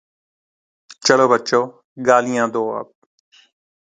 چلو بچو، گالیاں دو اب۔